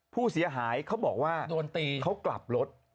ผู้เสียหายเขาบอกว่าโดนตีเขากลับรถ